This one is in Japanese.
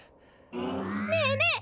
ねえねえ